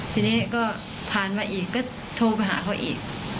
ทีนี้ก็ผ่านมาอีกก็โทรไปหาเขาอีก